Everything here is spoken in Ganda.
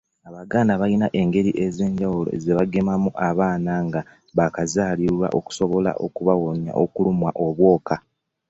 Abaganda balina engeri ez'enjawulo zebagemamau abaana nga bakazaalwa okusobola okubawonnya okulumwa obwoko.